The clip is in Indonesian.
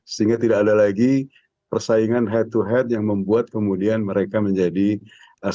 sehingga tidak ada lagi persaingan head to head yang membuat kemudian mereka menjadi sangat